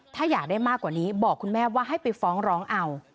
ถ้าอยากได้มากกว่านี้บอกคุณแม่ว่าให้ไปฟ้องร้องเอา